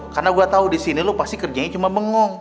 karena gue tau disini lo pasti kerjanya cuma mengong